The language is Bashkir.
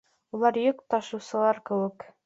Улар йөк ташыусылар кеүек.